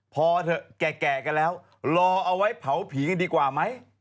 พอเถอะแก่กันแล้วรอเอาไว้เผาผีกันดีกว่าไหม